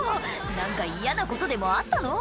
何か嫌なことでもあったの？